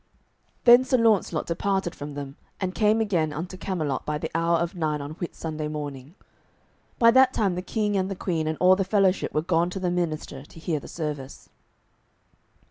Then Sir Launcelot departed from them, and came again unto Camelot by the hour of nine on Whitsunday morning. By that time the King and the Queen and all the fellowship were gone to the minster to hear the service.